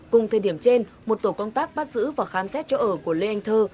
cùng thời điểm trên một tổ công tác bắt giữ và khám xét chỗ ở của lê anh thơ